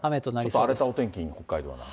ちょっと荒れたお天気に北海道はなる。